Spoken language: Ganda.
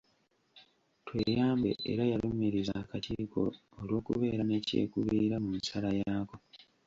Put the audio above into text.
Tweyambe era yalumiriza akakiiko olw’okubeera ne kyekubiira mu nsala yaako.